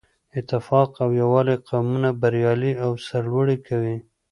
اتفاق او یووالی قومونه بریالي او سرلوړي کوي.